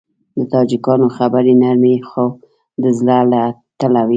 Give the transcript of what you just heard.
د تاجکانو خبرې نرمې خو د زړه له تله وي.